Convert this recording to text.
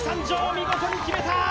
見事に決めた！